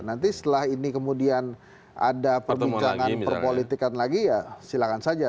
nanti setelah ini kemudian ada perbincangan perpolitikan lagi ya silakan saja